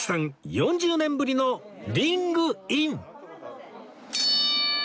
４０年ぶりのリングイン！